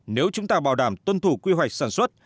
nếu chúng ta bảo đảm tuân thủ quy hoạch sản xuất